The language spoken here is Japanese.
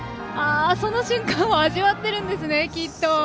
その瞬間を味わっているんですね、きっと。